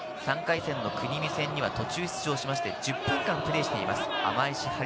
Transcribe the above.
３回戦の国見戦には途中出場して１０分間プレーしています。